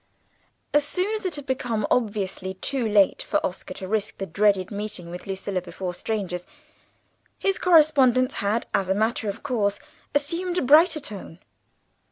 As soon as it had become obviously too late for Oscar to risk the dreaded meeting with Lucilla before strangers, his correspondence had, as a matter of course, assumed a brighter tone.